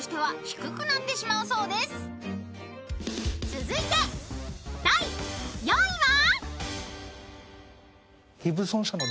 ［続いて第４位は？］